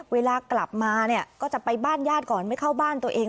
เวลากลับมาเนี่ยก็จะไปบ้านญาติก่อนไม่เข้าบ้านตัวเอง